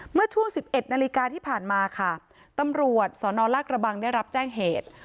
เมื่อช่วง๑๑นาฬิกาที่ผ่านมาค่ะตำรวจสนลากระบังได้รับแจ้งเหตุ